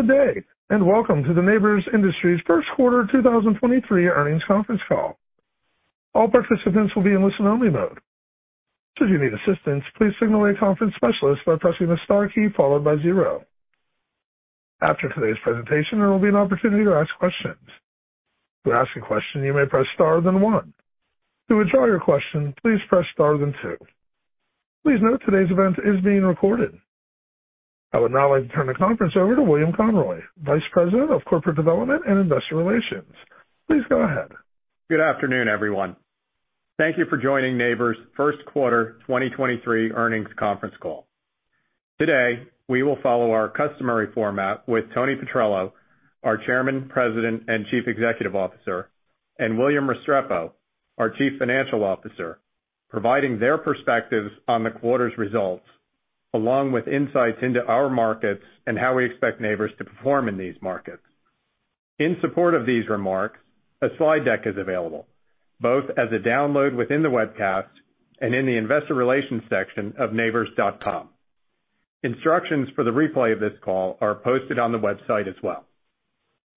Good day. Welcome to the Nabors Industries first quarter 2023 earnings conference call. All participants will be in listen-only mode. Should you need assistance, please signal a conference specialist by pressing the star key followed by zero. After today's presentation, there will be an opportunity to ask questions. To ask a question, you may press star, then one. To withdraw your question, please press star then two. Please note today's event is being recorded. I would now like to turn the conference over to William Conroy, Vice President of Corporate Development and Investor Relations. Please go ahead. Good afternoon, everyone. Thank you for joining Nabors first quarter 2023 earnings conference call. Today, we will follow our customary format with Tony Petrello, our Chairman, President, and Chief Executive Officer, and William Restrepo, our Chief Financial Officer, providing their perspectives on the quarter's results, along with insights into our markets and how we expect Nabors to perform in these markets. In support of these remarks, a slide deck is available, both as a download within the webcast and in the investor relations section of nabors.com. Instructions for the replay of this call are posted on the website as well.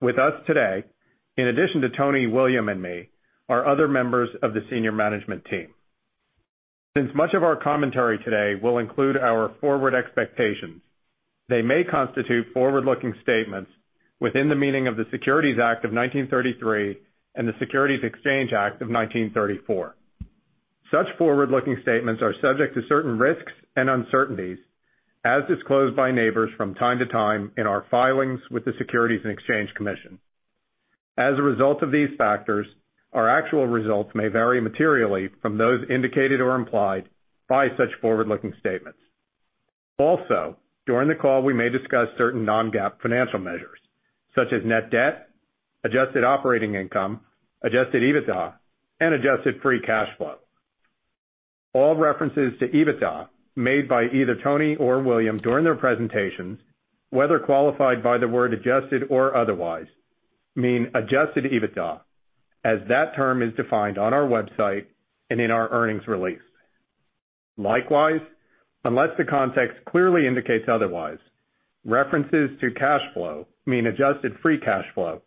With us today, in addition to Tony, William, and me, are other members of the senior management team. Since much of our commentary today will include our forward expectations, they may constitute forward-looking statements within the meaning of the Securities Act of 1933 and the Securities Exchange Act of 1934. Such forward-looking statements are subject to certain risks and uncertainties as disclosed by Nabors from time to time in our filings with the Securities and Exchange Commission. As a result of these factors, our actual results may vary materially from those indicated or implied by such forward-looking statements. Also, during the call, we may discuss certain non-GAAP financial measures such as net debt, adjusted operating income, adjusted EBITDA, and adjusted free cash flow. All references to EBITDA made by either Tony or William during their presentations, whether qualified by the word adjusted or otherwise, mean adjusted EBITDA, as that term is defined on our website and in our earnings release. Likewise, unless the context clearly indicates otherwise, references to cash flow mean adjusted free cash flow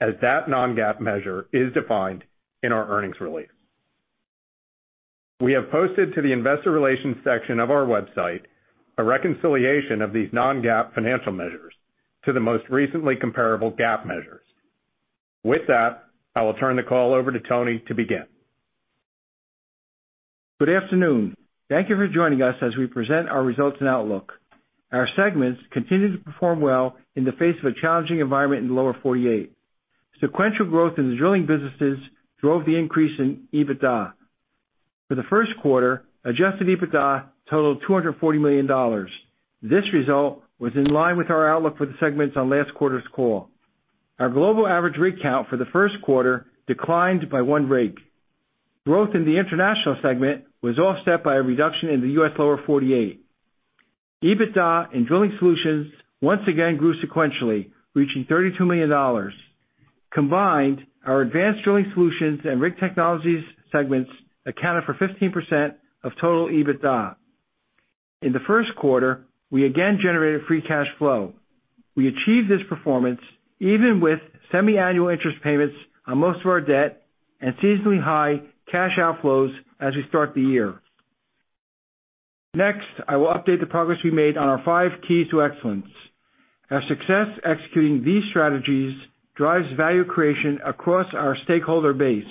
as that non-GAAP measure is defined in our earnings release. We have posted to the investor relations section of our website a reconciliation of these non-GAAP financial measures to the most recently comparable GAAP measures. With that, I will turn the call over to Tony to begin. Good afternoon. Thank you for joining us as we present our results and outlook. Our segments continued to perform well in the face of a challenging environment in Lower 48. Sequential growth in the drilling businesses drove the increase in EBITDA. For the first quarter, adjusted EBITDA totaled $240 million. This result was in line with our outlook for the segments on last quarter's call. Our global average rig count for the first quarter declined by one rig. Growth in the international segment was offset by a reduction in the U.S. Lower 48. EBITDA and Drilling Solutions once again grew sequentially, reaching $32 million. Combined, our Advanced Drilling Solutions and Rig Technologies segments accounted for 15% of total EBITDA. In the first quarter, we again generated free cash flow. We achieved this performance even with semi-annual interest payments on most of our debt and seasonally high cash outflows as we start the year. I will update the progress we made on our five keys to excellence. Our success executing these strategies drives value creation across our stakeholder base.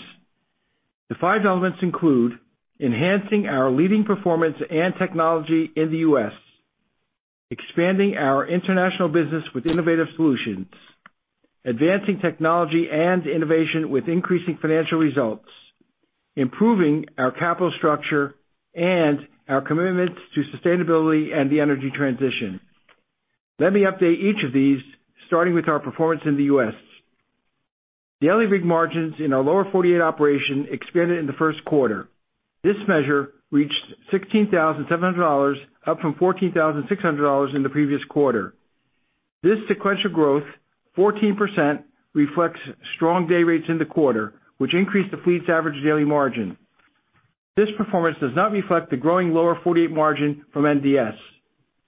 The five elements include enhancing our leading performance and technology in the U.S., expanding our international business with innovative solutions, advancing technology and innovation with increasing financial results, improving our capital structure, and our commitment to sustainability and the energy transition. Let me update each of these, starting with our performance in the U.S. Daily rig margins in our Lower 48 operation expanded in the first quarter. This measure reached $16,700, up from $14,600 in the previous quarter. This sequential growth, 14%, reflects strong day rates in the quarter, which increased the fleet's average daily margin. This performance does not reflect the growing Lower Forty-Eight margin from NDS.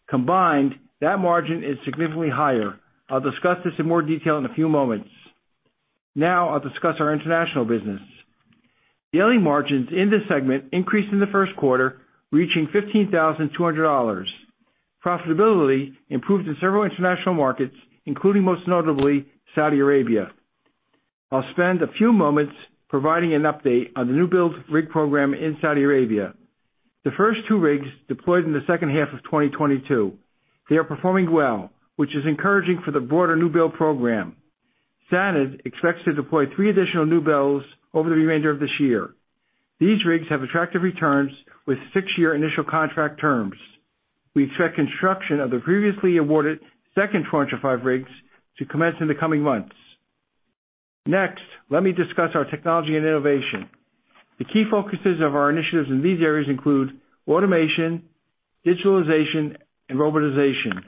Combined, that margin is significantly higher. I'll discuss this in more detail in a few moments. Now I'll discuss our international business. Daily margins in this segment increased in the first quarter, reaching $15,200. Profitability improved in several international markets, including most notably Saudi Arabia. I'll spend a few moments providing an update on the new build rig program in Saudi Arabia. The first two rigs deployed in the second half of 2022. They are performing well, which is encouraging for the broader new build program. Saudi expects to deploy three additional new builds over the remainder of this year. These rigs have attractive returns with six-year initial contract terms. We expect construction of the previously awarded second tranche of five rigs to commence in the coming months. Let me discuss our technology and innovation. The key focuses of our initiatives in these areas include automation, digitalization, and robotization.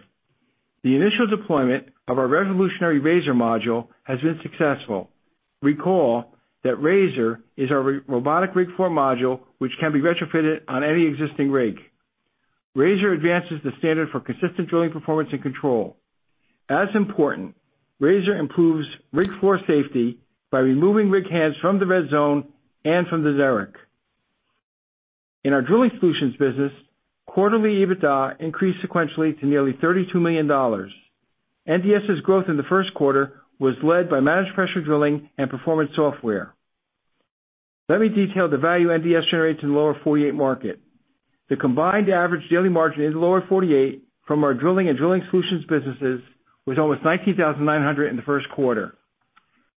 The initial deployment of our revolutionary RZR module has been successful. Recall that RZR is our re- robotic rig floor module, which can be retrofitted on any existing rig. RZR advances the standard for consistent drilling performance and control. As important, RZR improves rig floor safety by removing rig hands from the red zone and from the Derrick. In our Drilling Solutions business, quarterly EBITDA increased sequentially to nearly $32 million. NDS's growth in the first quarter was led by managed pressure drilling and performance software. Let me detail the value NDS generated to the lower 48 market. The combined average daily margin in the lower 48 from our drilling and Drilling Solutions businesses was almost $19,900 in the first quarter.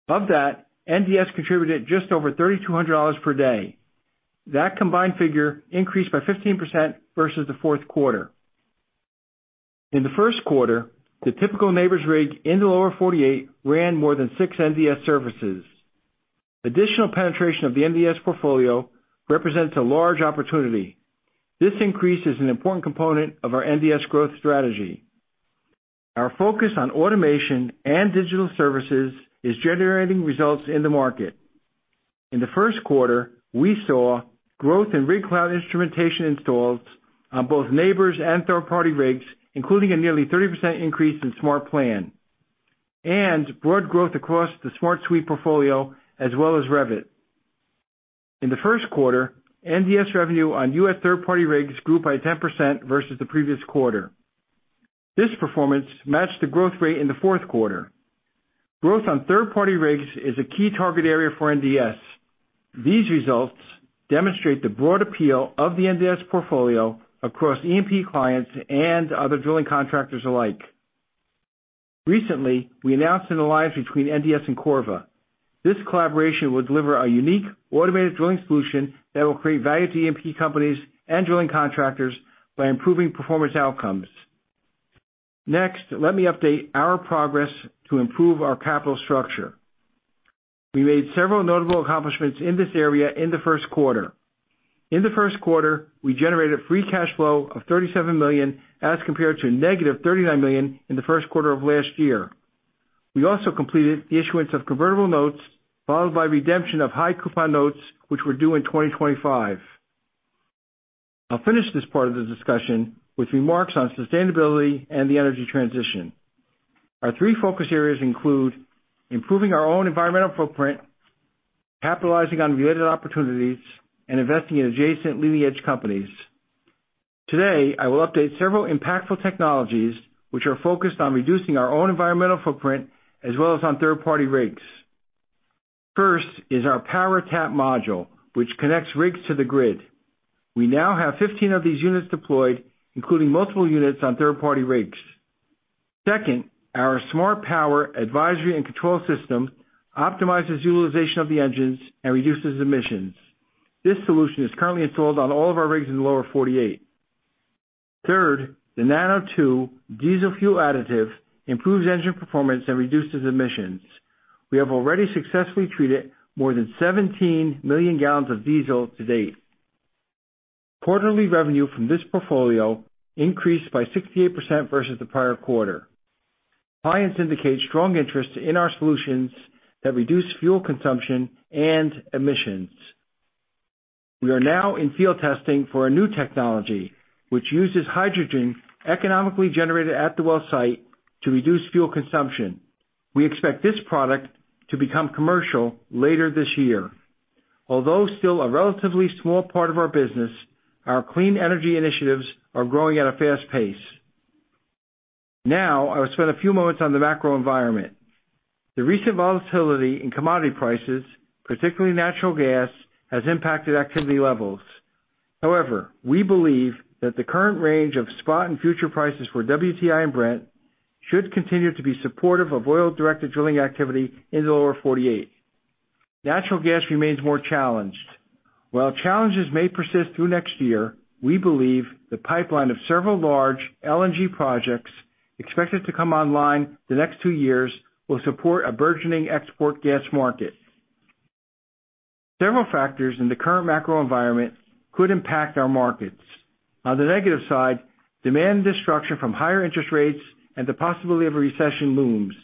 Of that, NDS contributed just over $3,200 per day. That combined figure increased by 15% versus the fourth quarter. In the first quarter, the typical Nabors rig in the lower 48 ran more than six NDS services. Additional penetration of the NDS portfolio represents a large opportunity. This increase is an important component of our NDS growth strategy. Our focus on automation and digital services is generating results in the market. In the first quarter, we saw growth in RigCLOUD instrumentation installs on both Nabors and third-party rigs, including a nearly 30% increase in SmartPLAN, and broad growth across the SmartSUITE portfolio as well as REVit. In the first quarter, NDS revenue on U.S. third-party rigs grew by 10% versus the previous quarter. This performance matched the growth rate in the fourth quarter. Growth on third-party rigs is a key target area for NDS. These results demonstrate the broad appeal of the NDS portfolio across E&P clients and other drilling contractors alike. Recently, we announced an alliance between NDS and Corva. This collaboration will deliver a unique automated drilling solution that will create value to E&P companies and drilling contractors by improving performance outcomes. Let me update our progress to improve our capital structure. We made several notable accomplishments in this area in the first quarter. In the first quarter, we generated free cash flow of $37 million, as compared to -$39 million in the first quarter of last year. We also completed the issuance of convertible notes, followed by redemption of high coupon notes, which were due in 2025. I'll finish this part of the discussion with remarks on sustainability and the energy transition. Our three focus areas include improving our own environmental footprint, capitalizing on related opportunities, and investing in adjacent leading-edge companies. Today, I will update several impactful technologies which are focused on reducing our own environmental footprint as well as on third-party rigs. First is our PowerTAP module, which connects rigs to the grid. We now have 15 of these units deployed, including multiple units on third-party rigs. Second, our SmartPOWER advisory and control system optimizes utilization of the engines and reduces emissions. This solution is currently installed on all of our rigs in the lower 48. Third, the NANO O2 diesel fuel additive improves engine performance and reduces emissions. We have already successfully treated more than 17 million gallons of diesel to date. Quarterly revenue from this portfolio increased by 68% versus the prior quarter. Clients indicate strong interest in our solutions that reduce fuel consumption and emissions. We are now in field testing for a new technology which uses hydrogen economically generated at the well site to reduce fuel consumption. We expect this product to become commercial later this year. Although still a relatively small part of our business, our clean energy initiatives are growing at a fast pace. Now, I will spend a few moments on the macro environment. The recent volatility in commodity prices, particularly natural gas, has impacted activity levels. However, we believe that the current range of spot and future prices for WTI and Brent should continue to be supportive of oil-directed drilling activity in the lower 48. Natural gas remains more challenged. While challenges may persist through next year, we believe the pipeline of several large LNG projects expected to come online the next 2 years will support a burgeoning export gas market. Several factors in the current macro environment could impact our markets. On the negative side, demand destruction from higher interest rates and the possibility of a recession looms.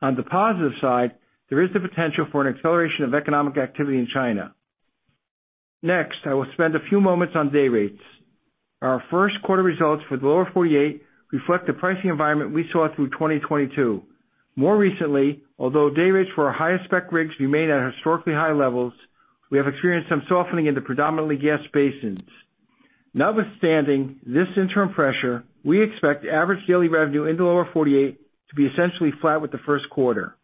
On the positive side, there is the potential for an acceleration of economic activity in China. I will spend a few moments on day rates. Our first quarter results for the lower 48 reflect the pricing environment we saw through 2022. More recently, although day rates for our highest spec rigs remain at historically high levels, we have experienced some softening in the predominantly gas basins. Notwithstanding this interim pressure, we expect average daily revenue in the lower 48 to be essentially flat with the first quarter.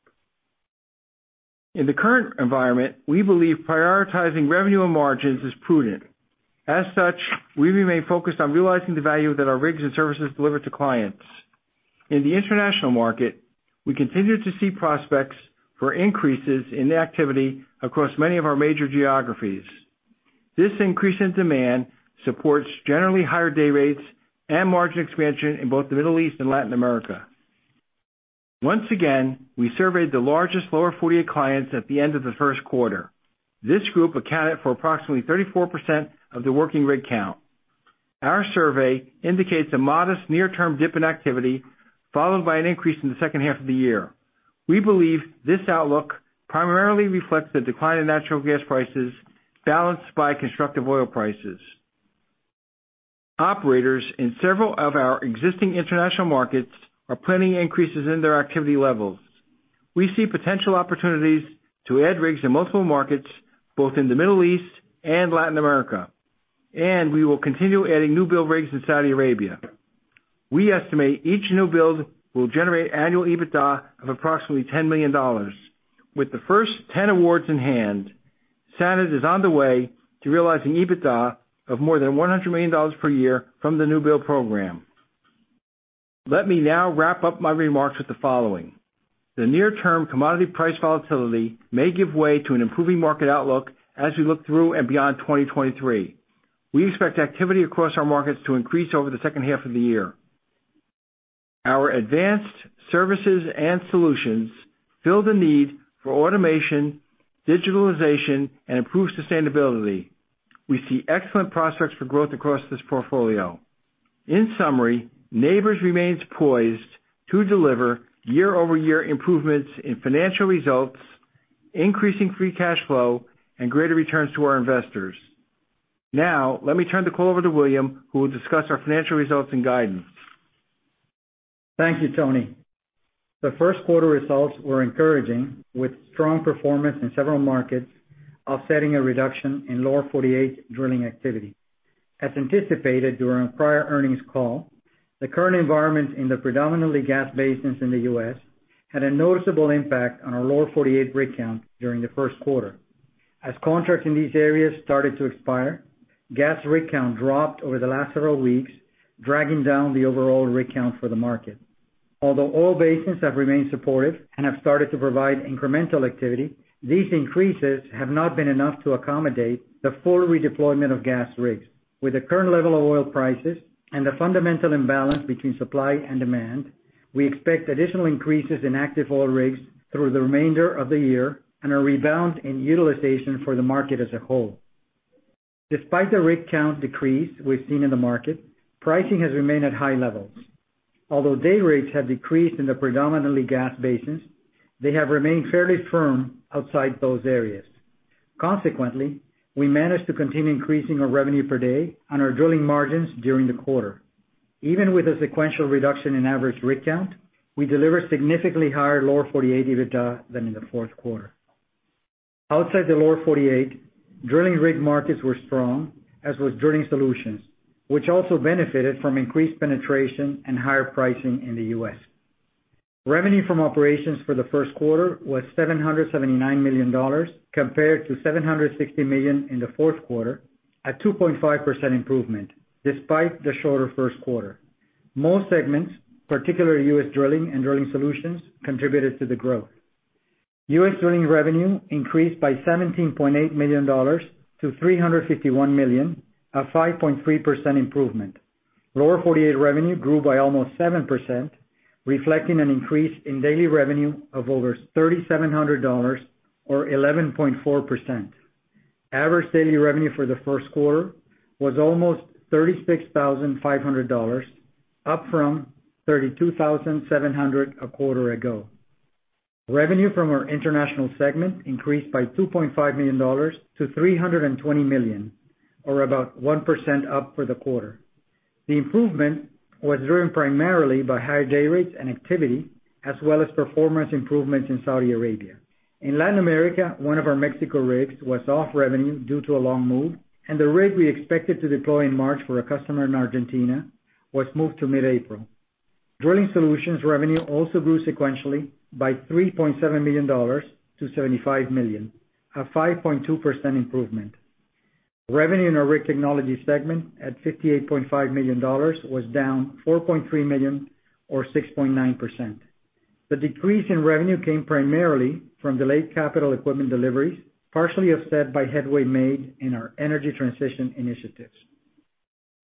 In the current environment, we believe prioritizing revenue and margins is prudent. As such, we remain focused on realizing the value that our rigs and services deliver to clients. In the international market, we continue to see prospects for increases in activity across many of our major geographies. This increase in demand supports generally higher day rates and margin expansion in both the Middle East and Latin America. Once again, we surveyed the largest lower 48 clients at the end of the first quarter. This group accounted for approximately 34% of the working rig count. Our survey indicates a modest near-term dip in activity, followed by an increase in the second half of the year. We believe this outlook primarily reflects the decline in natural gas prices balanced by constructive oil prices. Operators in several of our existing international markets are planning increases in their activity levels. We see potential opportunities to add rigs in multiple markets, both in the Middle East and Latin America, and we will continue adding new build rigs in Saudi Arabia. We estimate each new build will generate annual EBITDA of approximately $10 million. With the first 10 awards in hand, Saudis is on the way to realizing EBITDA of more than $100 million per year from the new build program. Let me now wrap up my remarks with the following. The near term commodity price volatility may give way to an improving market outlook as we look through and beyond 2023. We expect activity across our markets to increase over the second half of the year. Our advanced services and solutions fill the need for automation, digitalization and improved sustainability. We see excellent prospects for growth across this portfolio. In summary, Nabors remains poised to deliver year-over-year improvements in financial results, increasing free cash flow and greater returns to our investors. Let me turn the call over to William, who will discuss our financial results and guidance. Thank you, Tony. The first quarter results were encouraging, with strong performance in several markets offsetting a reduction in lower 48 drilling activity. As anticipated during prior earnings call, the current environment in the predominantly gas basins in the U.S. had a noticeable impact on our lower 48 rig count during the first quarter. As contracts in these areas started to expire, gas rig count dropped over the last several weeks, dragging down the overall rig count for the market. Although oil basins have remained supportive and have started to provide incremental activity, these increases have not been enough to accommodate the full redeployment of gas rigs. With the current level of oil prices and the fundamental imbalance between supply and demand, we expect additional increases in active oil rigs through the remainder of the year and a rebound in utilization for the market as a whole. Despite the rig count decrease we've seen in the market, pricing has remained at high levels. Although day rates have decreased in the predominantly gas basins, they have remained fairly firm outside those areas. We managed to continue increasing our revenue per day on our drilling margins during the quarter. Even with a sequential reduction in average rig count, we delivered significantly higher lower 48 EBITDA than in the fourth quarter. Outside the lower 48, drilling rig markets were strong, as was Drilling Solutions, which also benefited from increased penetration and higher pricing in the U.S. Revenue from operations for the first quarter was $779 million compared to $760 million in the fourth quarter, a 2.5% improvement despite the shorter first quarter. Most segments, particularly U.S. drilling and Drilling Solutions, contributed to the growth. U.S. drilling revenue increased by $17.8 million to $351 million, a 5.3% improvement. Lower 48 revenue grew by almost 7%, reflecting an increase in daily revenue of over $3,700 or 11.4%. Average daily revenue for the first quarter was almost $36,500, up from $32,700 a quarter ago. Revenue from our international segment increased by $2.5 million to $320 million, or about 1% up for the quarter. The improvement was driven primarily by higher day rates and activity, as well as performance improvements in Saudi Arabia. In Latin America, one of our Mexico rigs was off revenue due to a long move, and the rig we expected to deploy in March for a customer in Argentina was moved to mid-April. Drilling Solutions revenue also grew sequentially by $3.7 million to $75 million, a 5.2% improvement. Revenue in our Rig Technologies segment at $58.5 million was down $4.3 million or 6.9%. The decrease in revenue came primarily from delayed capital equipment deliveries, partially offset by headway made in our energy transition initiatives.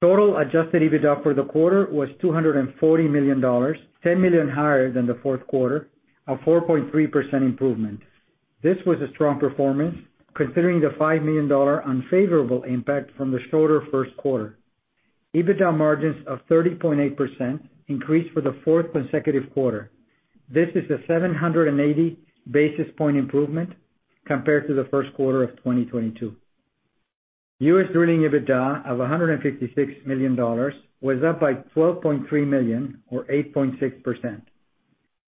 Total adjusted EBITDA for the quarter was $240 million, $10 million higher than the fourth quarter, a 4.3% improvement. This was a strong performance considering the $5 million unfavorable impact from the shorter first quarter. EBITDA margins of 30.8% increased for the fourth consecutive quarter. This is a 780 basis point improvement compared to the first quarter of 2022. U.S. drilling EBITDA of $156 million was up by $12.3 million, or 8.6%.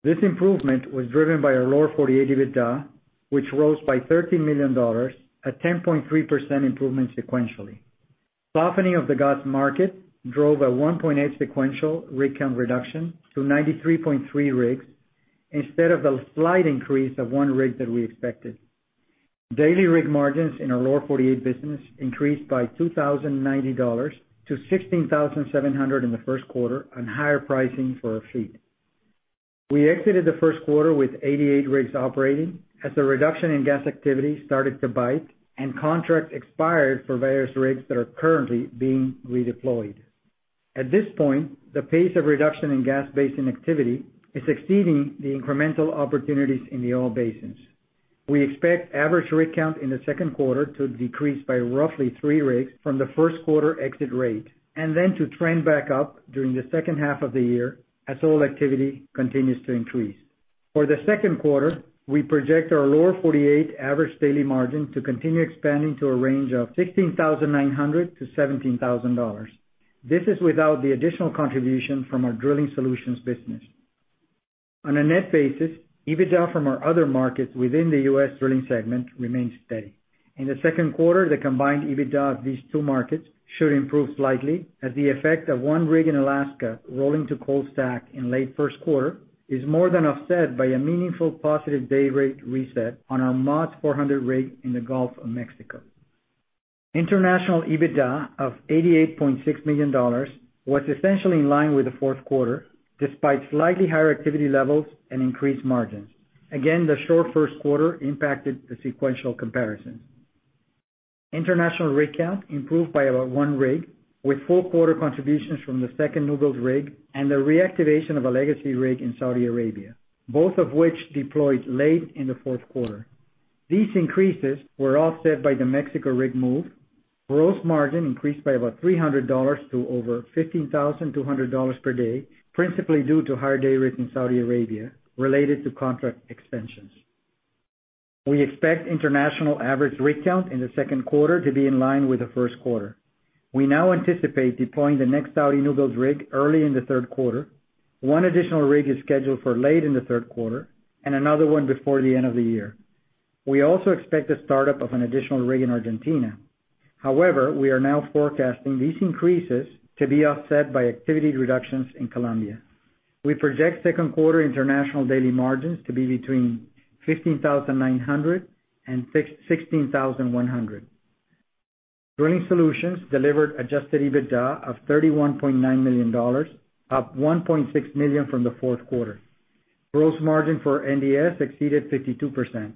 This improvement was driven by a Lower 48 EBITDA, which rose by $13 million, a 10.3% improvement sequentially. Softening of the gas market drove a 1.8 sequential rig count reduction to 93.3 rigs instead of a slight increase of 1 rig that we expected. Daily rig margins in our Lower 48 business increased by $2,090 to $16,700 in the first quarter on higher pricing for our fleet. We exited the first quarter with 88 rigs operating as the reduction in gas activity started to bite and contracts expired for various rigs that are currently being redeployed. At this point, the pace of reduction in gas basin activity is exceeding the incremental opportunities in the oil basins. We expect average rig count in the second quarter to decrease by roughly 3 rigs from the first quarter exit rate, and then to trend back up during the second half of the year as oil activity continues to increase. For the second quarter, we project our Lower 48 average daily margin to continue expanding to a range of $16,900-$17,000. This is without the additional contribution from our Drilling Solutions business. On a net basis, EBITDA from our other markets within the U.S. drilling segment remains steady. In the second quarter, the combined EBITDA of these two markets should improve slightly, as the effect of one rig in Alaska rolling to cold stack in late first quarter is more than offset by a meaningful positive day rate reset on our MODS 400 rig in the Gulf of Mexico. International EBITDA of $88.6 million was essentially in line with the fourth quarter, despite slightly higher activity levels and increased margins. Again, the short first quarter impacted the sequential comparison. International rig count improved by about one rig, with full quarter contributions from the 2nd newbuilds rig and the reactivation of a legacy rig in Saudi Arabia, both of which deployed late in the fourth quarter. These increases were offset by the Mexico rig move. Gross margin increased by about $300 to over $15,200 per day, principally due to higher day rates in Saudi Arabia related to contract extensions. We expect international average rig count in the second quarter to be in line with the first quarter. We now anticipate deploying the next Saudi newbuilds rig early in the third quarter. One additional rig is scheduled for late in the third quarter and another one before the end of the year. We also expect the start-up of an additional rig in Argentina. We are now forecasting these increases to be offset by activity reductions in Colombia. We project second quarter international daily margins to be between $15,900 and $16,100. Drilling Solutions delivered adjusted EBITDA of $31.9 million, up $1.6 million from the fourth quarter. Gross margin for NDS exceeded 52%.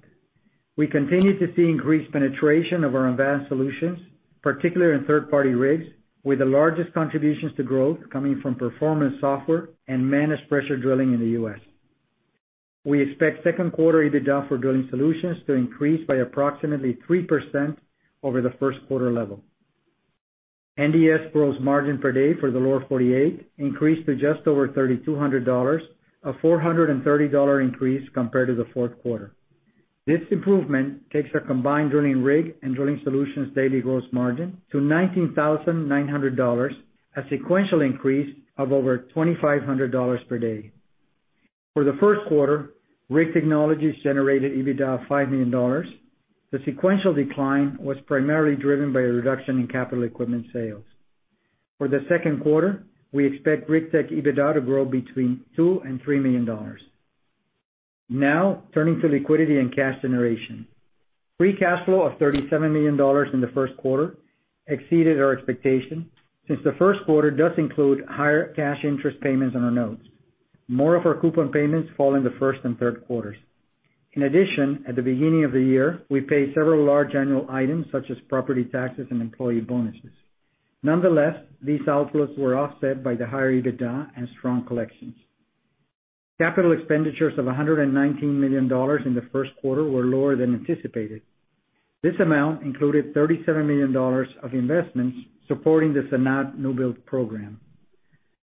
We continue to see increased penetration of our advanced solutions, particularly in third-party rigs, with the largest contributions to growth coming from performance software and managed pressure drilling in the U.S. We expect second quarter EBITDA for Drilling Solutions to increase by approximately 3% over the first quarter level. NDS gross margin per day for the lower 48 increased to just over $3,200, a $430 increase compared to the fourth quarter. This improvement takes our combined drilling rig and Drilling Solutions daily gross margin to $19,900, a sequential increase of over $2,500 per day. For the first quarter, Rig Technologies generated EBITDA of $5 million. The sequential decline was primarily driven by a reduction in capital equipment sales. For the second quarter, we expect RigTech EBITDA to grow between $2 million and $3 million. Turning to liquidity and cash generation. Free cash flow of $37 million in the first quarter exceeded our expectations since the first quarter does include higher cash interest payments on our notes. More of our coupon payments fall in the first and third quarters. In addition, at the beginning of the year, we paid several large annual items such as property taxes and employee bonuses. These outflows were offset by the higher EBITDA and strong collections. Capital expenditures of $119 million in the first quarter were lower than anticipated. This amount included $37 million of investments supporting the SANAD newbuild program.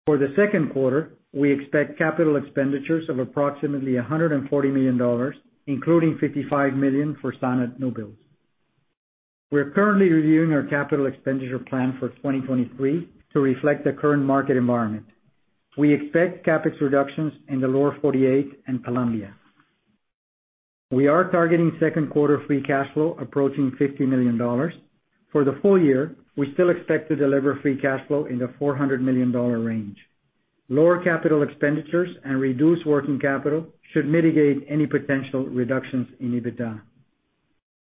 For the second quarter, we expect capital expenditures of approximately $140 million, including $55 million for SANAD new builds. We are currently reviewing our capital expenditure plan for 2023 to reflect the current market environment. We expect CapEx reductions in the lower 48 and Colombia. We are targeting second quarter free cash flow approaching $50 million. For the full year, we still expect to deliver free cash flow in the $400 million range. Lower capital expenditures and reduced working capital should mitigate any potential reductions in EBITDA.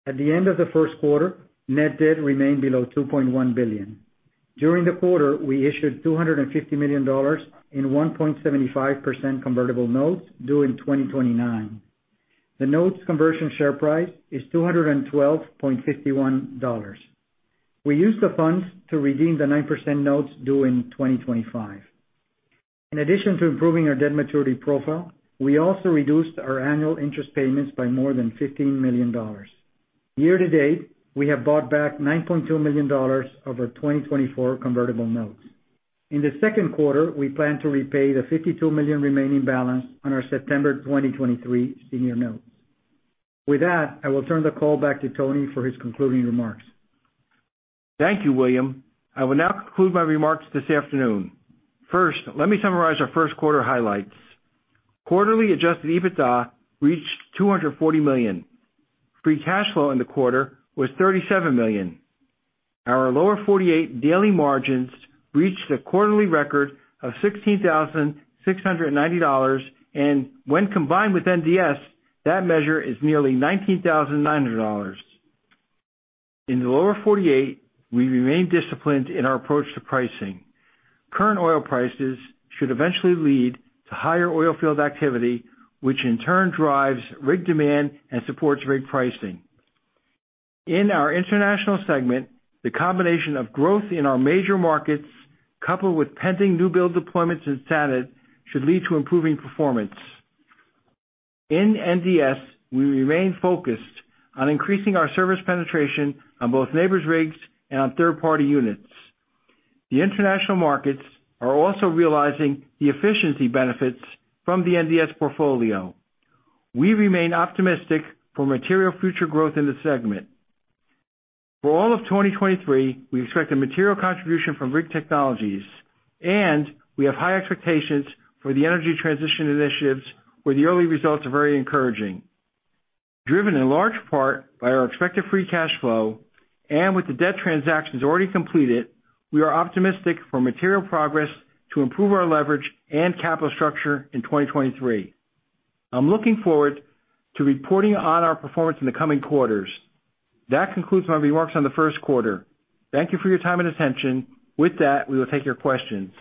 At the end of the first quarter, net debt remained below $2.1 billion. During the quarter, we issued $250 million in 1.75% convertible notes due in 2029. The notes conversion share price is $212.51. We used the funds to redeem the 9% notes due in 2025. In addition to improving our debt maturity profile, we also reduced our annual interest payments by more than $15 million. Year to date, we have bought back $9.2 million of our 2024 convertible notes. In the second quarter, we plan to repay the $52 million remaining balance on our September 2023 senior notes. With that, I will turn the call back to Tony for his concluding remarks. Thank you, William. I will now conclude my remarks this afternoon. Let me summarize our first quarter highlights. Quarterly adjusted EBITDA reached $240 million. Free cash flow in the quarter was $37 million. Our lower 48 daily margins reached a quarterly record of $16,690, and when combined with NDS, that measure is nearly $19,900. In the lower 48, we remain disciplined in our approach to pricing. Current oil prices should eventually lead to higher oil field activity, which in turn drives rig demand and supports rig pricing. In our international segment, the combination of growth in our major markets coupled with pending new build deployments in SANAD should lead to improving performance. In NDS, we remain focused on increasing our service penetration on both Nabors' rigs and on third-party units. The international markets are also realizing the efficiency benefits from the NDS portfolio. We remain optimistic for material future growth in this segment. For all of 2023, we expect a material contribution from Rig Technologies, and we have high expectations for the energy transition initiatives, where the early results are very encouraging. Driven in large part by our expected free cash flow and with the debt transactions already completed, we are optimistic for material progress to improve our leverage and capital structure in 2023. I'm looking forward to reporting on our performance in the coming quarters. That concludes my remarks on the first quarter. Thank you for your time and attention. With that, we will take your questions.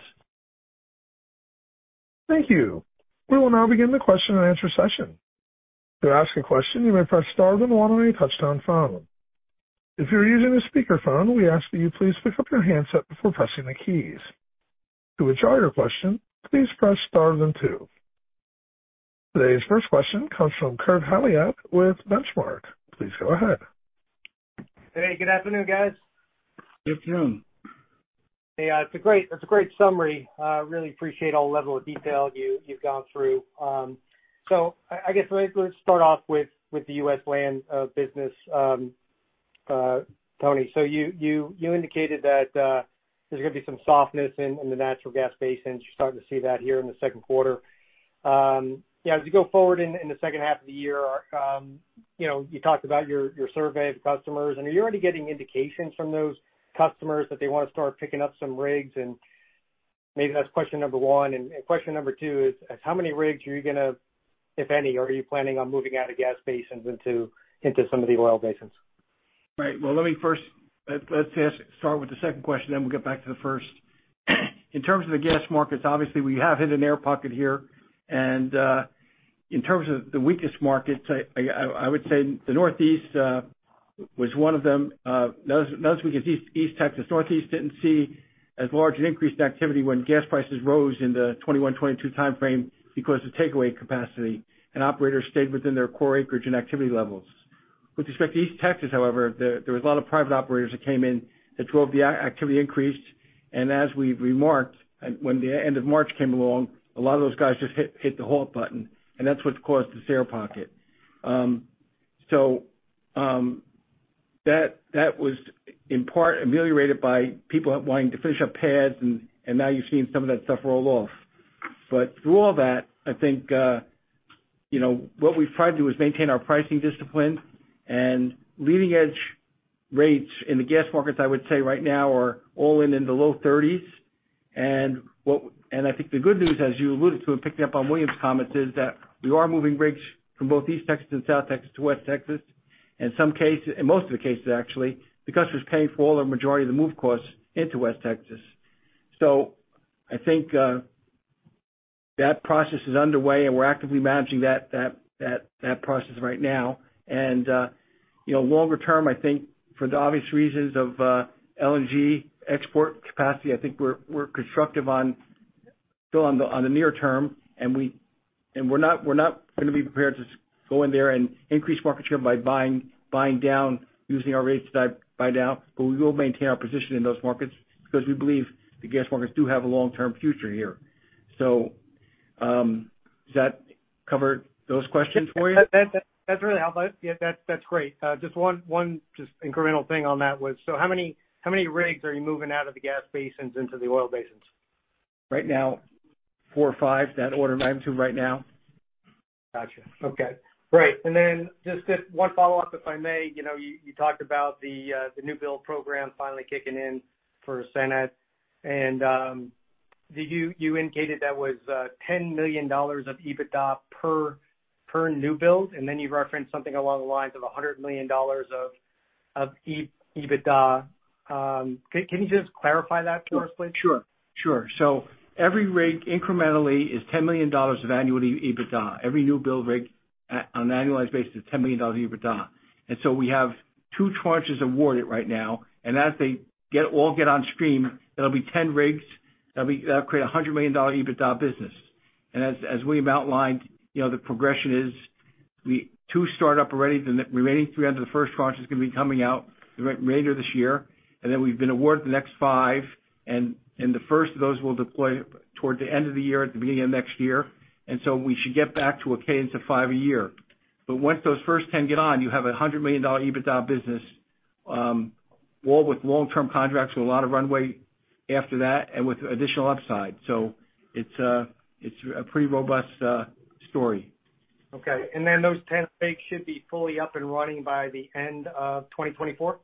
Thank you. We will now begin the question-and-answer session. To ask a question, you may press star then one on your touchtone phone. If you're using a speaker phone, we ask that you please pick up your handset before pressing the keys. To withdraw your question, please press star then two. Today's first question comes from Kurt Hallead with Benchmark. Please go ahead. Hey, good afternoon, guys. Good afternoon. Hey, it's a great summary. Really appreciate all level of detail you've gone through. I guess let's start off with the U.S. land business, Tony. You indicated that there's gonna be some softness in the natural gas basins. You're starting to see that here in the second quarter. You know, as you go forward in the second half of the year, you know, you talked about your survey of customers. Are you already getting indications from those customers that they wanna start picking up some rigs and maybe that's question number one? Question number two is, how many rigs are you gonna, if any, are you planning on moving out of gas basins into some of the oil basins? Right. Well, let's just start with the second question. We'll get back to the first. In terms of the gas markets, obviously we have hit an air pocket here. In terms of the weakest markets, I would say the Northeast was one of them. Not as weak as East Texas. Northeast didn't see as large an increase in activity when gas prices rose in the 21, 22 timeframe because of takeaway capacity, and operators stayed within their core acreage and activity levels. With respect to East Texas, however, there was a lot of private operators that came in that drove the activity increase. As we've remarked, when the end of March came along, a lot of those guys just hit the halt button. That's what's caused this air pocket. That was in part ameliorated by people wanting to finish up pads and now you've seen some of that stuff roll off. Through all that, I think, you know, what we've tried to do is maintain our pricing discipline and leading edge rates in the gas markets, I would say right now are all in the low 30s. I think the good news, as you alluded to and picking up on William's comments, is that we are moving rigs from both East Texas and South Texas to West Texas. In some cases, in most of the cases actually, the customer's paying for all or majority of the move costs into West Texas. I think, that process is underway, and we're actively managing that process right now. You know, longer term, I think for the obvious reasons of LNG export capacity, I think we're constructive on, still on the, on the near term, and we're not, we're not gonna be prepared to go in there and increase market share by buying down, using our rates to buy down, but we will maintain our position in those markets because we believe the gas markets do have a long-term future here. Does that cover those questions for you? That really helps. Yeah, that's great. Just one incremental thing on that was, how many rigs are you moving out of the gas basins into the oil basins? Right now, 4 or 5. That order of magnitude right now. Gotcha. Okay. Great. Then just one follow-up, if I may. You know, you talked about the new build program finally kicking in for SANAD. You indicated that was $10 million of EBITDA per new build, and then you referenced something along the lines of $100 million of EBITDA. Can you just clarify that for us, please? Sure. Sure. Every rig incrementally is $10 million of annual EBITDA. Every new build rig on an annualized basis is $10 million of EBITDA. We have 2 tranches awarded right now. As all get on stream, it'll be 10 rigs. That'll create a $100 million EBITDA business. As William outlined, you know, the progression is 2 start up already. Remaining 3 out of the first tranche is gonna be coming out the remainder of this year. We've been awarded the next 5, and the first of those will deploy toward the end of the year at the beginning of next year. We should get back to a cadence of 5 a year. Once those first 10 get on, you have a $100 million EBITDA business, all with long-term contracts with a lot of runway after that and with additional upside. It's a pretty robust story. Okay. Those 10 rigs should be fully up and running by the end of 2024?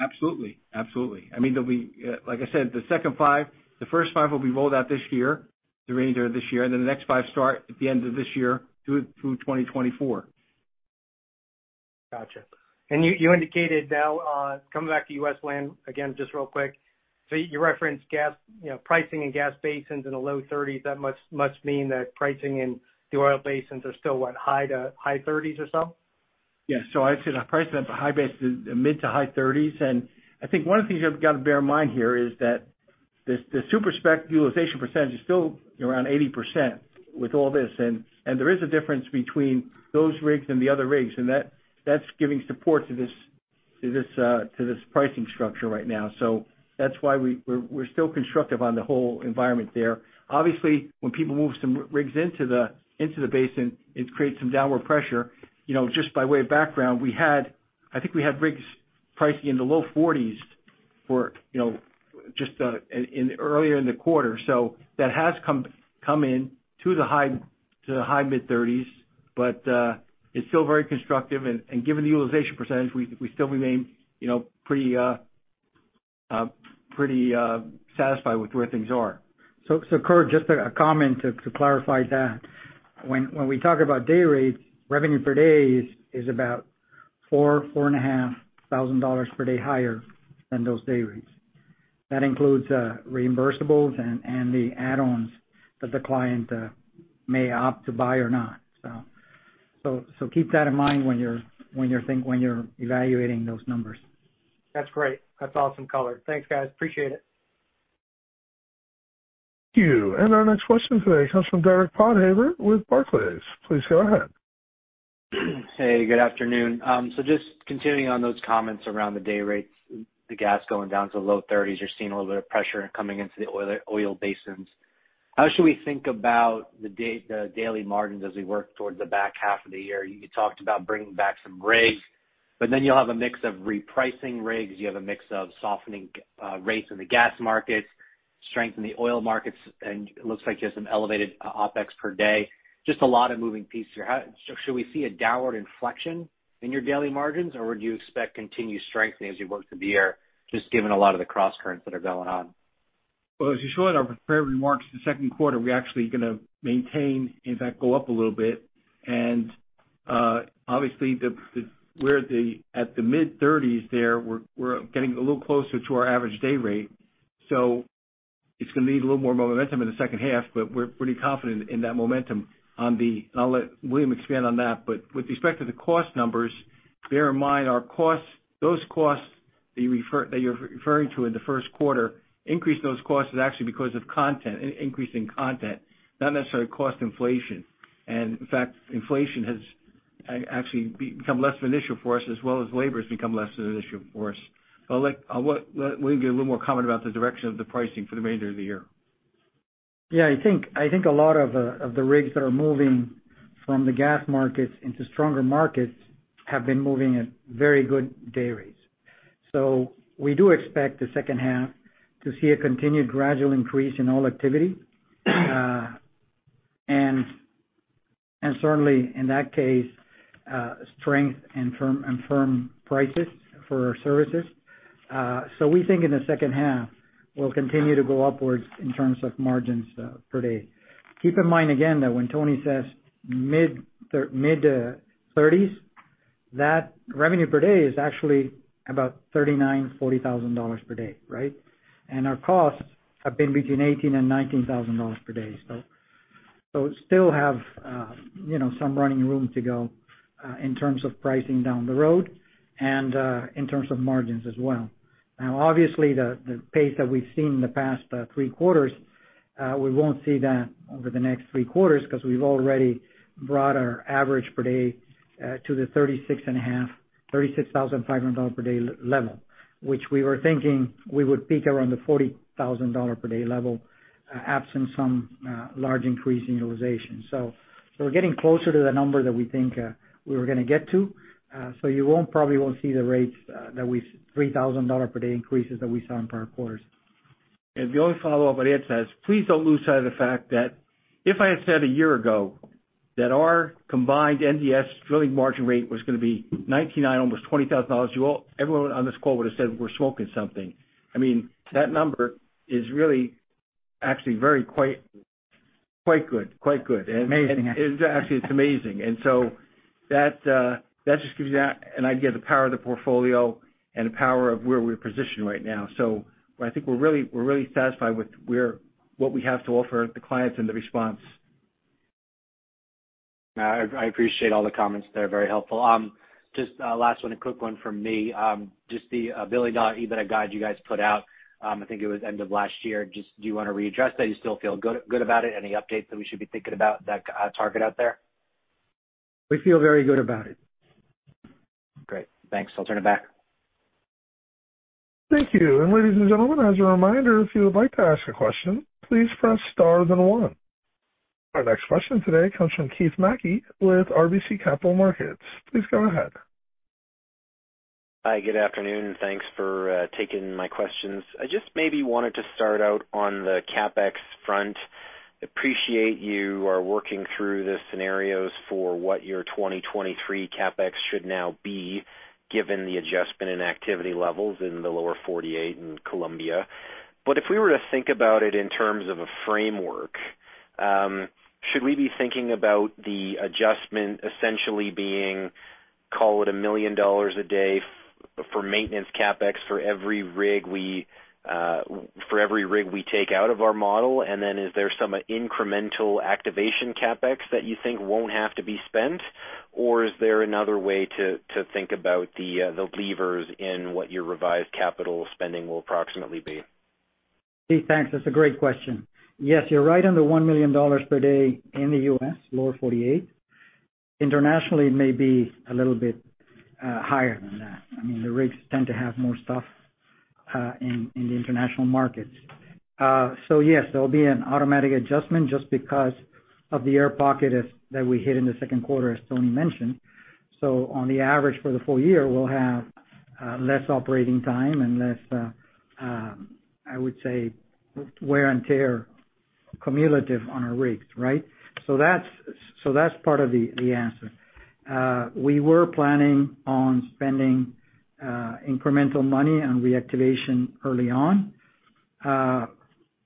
Absolutely. Absolutely. I mean, there'll be, like I said, the second five. The first five will be rolled out this year, the remainder of this year, the next five start at the end of this year through 2024. Gotcha. You indicated, now, coming back to U.S. land again, just real quick. You referenced gas, you know, pricing in gas basins in the low $30s. That must mean that pricing in the oil basins are still, what? High to high $30s or so? Yes. I'd say the pricing at the high basin is mid to high $30s. I think one of the things you've got to bear in mind here is that the super spec utilization percentage is still around 80% with all this. There is a difference between those rigs and the other rigs, and that's giving support to this, to this, to this pricing structure right now. That's why we're still constructive on the whole environment there. Obviously, when people move some rigs into the basin, it creates some downward pressure. You know, just by way of background, we had, I think we had rigs pricing in the low $40s for, you know, just in earlier in the quarter. That has come in to the high, to the high mid-$30s. It's still very constructive. Given the utilization percentage, we still remain, you know, pretty satisfied with where things are. Kurt, just a comment to clarify that. When we talk about day rates, revenue per day is about four and a half thousand dollars per day higher than those day rates. That includes reimbursables and the add-ons that the client may opt to buy or not. Keep that in mind when you're evaluating those numbers. That's great. That's awesome color. Thanks, guys. Appreciate it. Thank you. Our next question today comes from Derek Podhaizer with Barclays. Please go ahead. Good afternoon. Just continuing on those comments around the day rates, the gas going down to the low 30s, you're seeing a little bit of pressure coming into the oil basins. How should we think about the daily margins as we work towards the back half of the year? You talked about bringing back some rigs. You'll have a mix of repricing rigs. You have a mix of softening rates in the gas markets, strength in the oil markets, and it looks like you have some elevated OpEx per day. Just a lot of moving pieces here. Should we see a downward inflection in your daily margins, or would you expect continued strengthening as we work through the year, just given a lot of the crosscurrents that are going on? Well, as you saw in our prepared remarks, the second quarter, we're actually gonna maintain, in fact, go up a little bit. Obviously, we're at the mid-30s there. We're getting a little closer to our average day rate, so it's gonna need a little more momentum in the second half. We're pretty confident in that momentum on the... I'll let William expand on that. With respect to the cost numbers, bear in mind our costs, those costs that you're referring to in the first quarter, increase those costs is actually because of content, increase in content, not necessarily cost inflation. In fact, inflation has actually become less of an issue for us, as well as labor has become less of an issue for us. I'll let William give a little more comment about the direction of the pricing for the remainder of the year. I think a lot of the rigs that are moving from the gas markets into stronger markets have been moving at very good day rates. We do expect the second half to see a continued gradual increase in all activity. And certainly in that case, strength and firm prices for our services. We think in the second half we'll continue to go upwards in terms of margins per day. Keep in mind again that when Tony Petrello says mid thirties, that revenue per day is actually about $39,000-$40,000 per day, right? Our costs have been between $18,000 and $19,000 per day. Still have, you know, some running room to go, in terms of pricing down the road and, in terms of margins as well. Now obviously, the pace that we've seen in the past, three quarters, we won't see that over the next three quarters because we've already brought our average per day, to the thirty-six and a half, $36,500 per day level, which we were thinking we would peak around the $40,000 per day level, absent some, large increase in utilization. We're getting closer to the number that we think, we were gonna get to. You won't, probably won't see the rates, $3,000 per day increases that we saw in prior quarters. The only follow-up on that says, please don't lose sight of the fact that if I had said a year ago that our combined NDS drilling margin rate was gonna be 99, almost $20,000, everyone on this call would have said we're smoking something. I mean, that number is really actually very quite good. Quite good. Amazing, actually. Actually, it's amazing. That just gives you an idea of the power of the portfolio and the power of where we're positioned right now. I think we're really, we're really satisfied with what we have to offer the clients and the response. I appreciate all the comments. They're very helpful. just a last one, a quick one from me. just the billion EBITDA guide you guys put out, I think it was end of last year. Just do you wanna readjust that? You still feel good about it? Any updates that we should be thinking about that target out there? We feel very good about it. Great. Thanks. I'll turn it back. Thank you. Ladies and gentlemen, as a reminder, if you would like to ask a question, please press star then one. Our next question today comes from Keith Mackey with RBC Capital Markets. Please go ahead. Hi, good afternoon. Thanks for taking my questions. I just maybe wanted to start out on the CapEx front. Appreciate you are working through the scenarios for what your 2023 CapEx should now be, given the adjustment in activity levels in the lower 48 in Colombia. If we were to think about it in terms of a framework, should we be thinking about the adjustment essentially being, call it $1 million a day for maintenance CapEx for every rig we take out of our model. Is there some incremental activation CapEx that you think won't have to be spent? Is there another way to think about the levers in what your revised capital spending will approximately be? Keith, thanks. That's a great question. Yes, you're right on the $1 million per day in the U.S., lower 48. Internationally, it may be a little bit higher than that. I mean, the rigs tend to have more stuff in the international markets. Yes, there'll be an automatic adjustment just because of the air pocket that we hit in the second quarter, as Tony mentioned. On the average for the full year, we'll have less operating time and less, I would say wear and tear cumulative on our rigs, right? That's part of the answer. We were planning on spending incremental money on reactivation early on.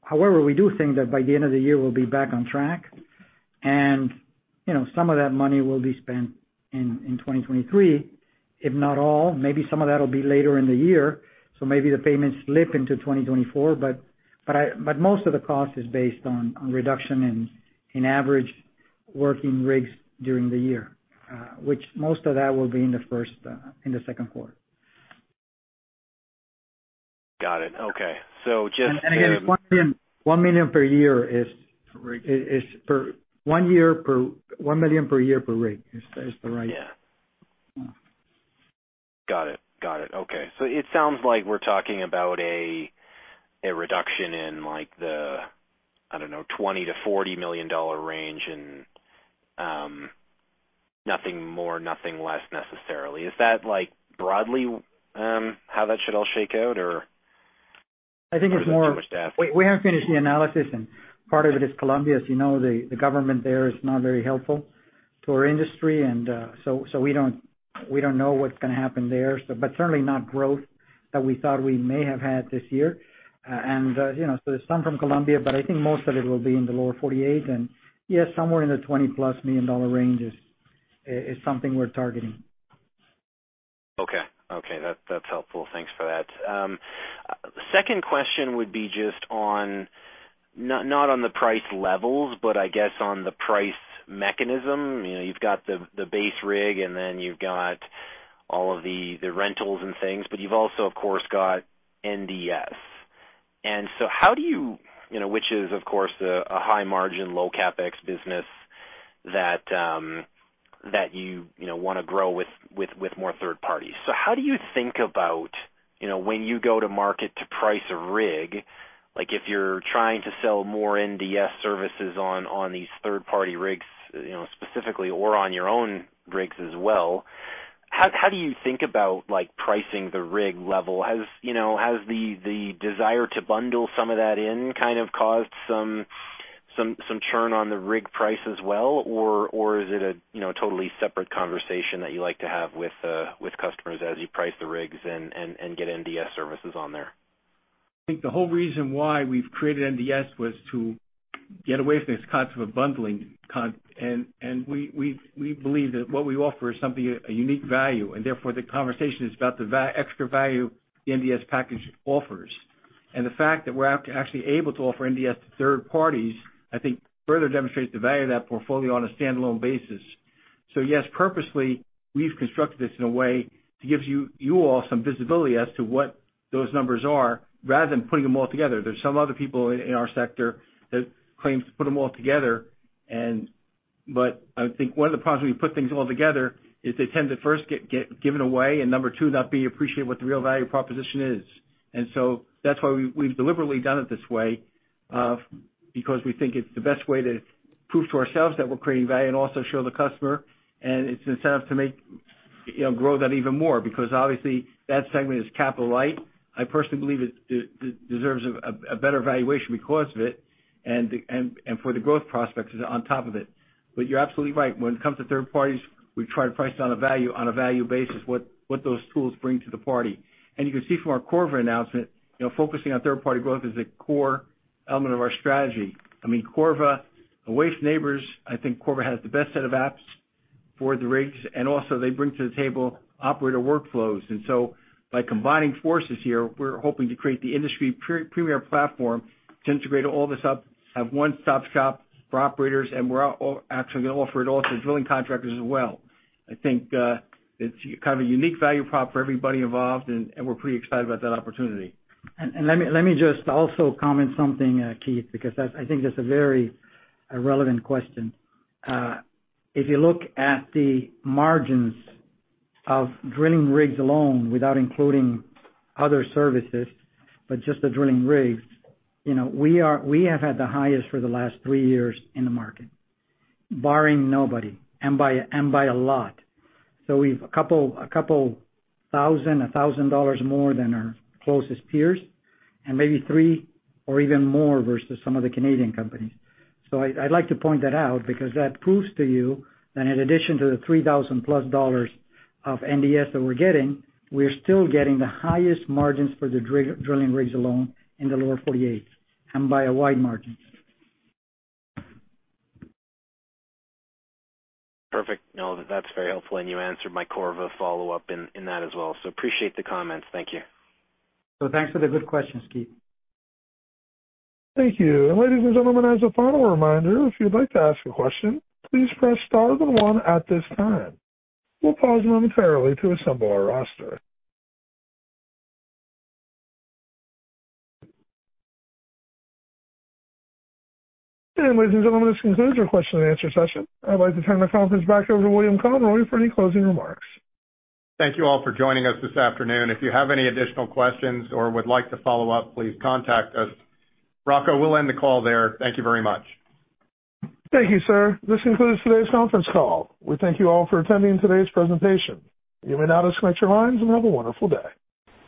However, we do think that by the end of the year, we'll be back on track. You know, some of that money will be spent in 2023, if not all, maybe some of that'll be later in the year. Maybe the payments slip into 2024, but most of the cost is based on reduction in average working rigs during the year, which most of that will be in the first in the second quarter. Got it. Okay. Again, $1 million per year is $1 million per year per rig is the right- Yeah. Got it. Got it. Okay. It sounds like we're talking about a reduction in like the, I don't know, $20 million-$40 million range and nothing more, nothing less necessarily. Is that like broadly how that should all shake out or? I think it's more. Is it too much to ask? We haven't finished the analysis and part of it is Colombia, as you know, the government there is not very helpful to our industry. We don't know what's gonna happen there. But certainly not growth that we thought we may have had this year. And, you know, there's some from Colombia, but I think most of it will be in the lower 48. Yes, somewhere in the $20+ million range is something we're targeting. Okay. Okay, that's helpful. Thanks for that. Second question would be just on, not on the price levels, but I guess on the price mechanism. You know, you've got the base rig, and then you've got all of the rentals and things, but you've also, of course, got NDS. You know, which is, of course, a high margin, low CapEx business that you know, wanna grow with more third parties. How do you think about, you know, when you go to market to price a rig, like if you're trying to sell more NDS services on these third-party rigs, you know, specifically or on your own rigs as well, how do you think about like pricing the rig level? Has, you know, the desire to bundle some of that in kind of caused some churn on the rig price as well? Is it a, you know, totally separate conversation that you like to have with customers as you price the rigs and get NDS services on there? I think the whole reason why we've created NDS was to get away from this concept of bundling and we believe that what we offer is something, a unique value, and therefore the conversation is about the extra value the NDS package offers. The fact that we're actually able to offer NDS to third parties, I think further demonstrates the value of that portfolio on a standalone basis. Yes, purposely, we've constructed this in a way to give you all some visibility as to what those numbers are, rather than putting them all together. There's some other people in our sector that claims to put them all together. I think one of the problems when you put things all together is they tend to first get given away, and number two, not be appreciated what the real value proposition is. That's why we've deliberately done it this way, because we think it's the best way to prove to ourselves that we're creating value and also show the customer. It's an incentive to make, you know, grow that even more because obviously that segment is capital light. I personally believe it deserves a better valuation because of it and for the growth prospects on top of it. You're absolutely right. When it comes to third parties, we try to price it on a value basis, what those tools bring to the party. You can see from our Corva announcement, you know, focusing on third-party growth is a core element of our strategy. I mean, Corva, away from Nabors, I think Corva has the best set of apps for the rigs, and also they bring to the table operator workflows. By combining forces here, we're hoping to create the industry pre-premier platform to integrate all this up, have one-stop shop for operators, and we're actually gonna offer it all to drilling contractors as well. I think it's kind of a unique value prop for everybody involved, and we're pretty excited about that opportunity. Let me just also comment something, Keith, because that's, I think that's a very relevant question. If you look at the margins of drilling rigs alone without including other services, but just the drilling rigs, you know, we have had the highest for the last 3 years in the market, barring nobody, and by a lot. We've $2,000, $1,000 more than our closest peers, and maybe 3 or even more versus some of the Canadian companies. I'd like to point that out because that proves to you that in addition to the $3,000+ of NDS that we're getting, we're still getting the highest margins for the drilling rigs alone in the lower 48, and by a wide margin. Perfect. No, that's very helpful. You answered my Corva follow-up in that as well. Appreciate the comments. Thank you. Thanks for the good questions, Keith. Thank you. Ladies and gentlemen, as a final reminder, if you'd like to ask a question, please press star then one at this time. We'll pause momentarily to assemble our roster. Ladies and gentlemen, this concludes our question and answer session. I'd like to turn the conference back over to William Conroy for any closing remarks. Thank you all for joining us this afternoon. If you have any additional questions or would like to follow up, please contact us. Rocco, we'll end the call there. Thank you very much. Thank you, sir. This concludes today's conference call. We thank you all for attending today's presentation. You may now disconnect your lines and have a wonderful day.